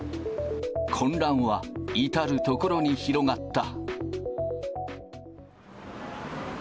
混乱は至る所に広がった。